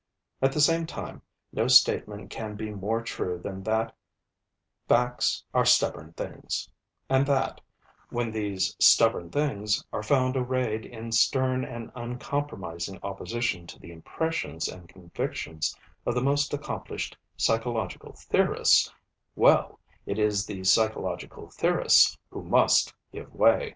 At the same time, no statement can be more true than that 'facts are stubborn things,' and that, when these 'stubborn things' are found arrayed in stern and uncompromising opposition to the impressions and convictions of the most accomplished psychological theorists well, it is the psychological theorists who must give way.